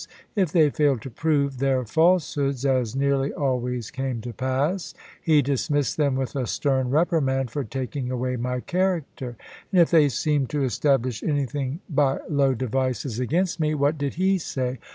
If they failed to prove their falsehoods (as nearly always came to pass), he dismissed them with a stern reprimand for taking away my character; and if they seemed to establish anything by low devices against me, what did he say?